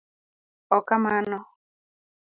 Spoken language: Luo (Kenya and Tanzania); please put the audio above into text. ok kamano